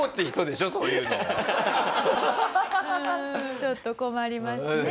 ちょっと困りますね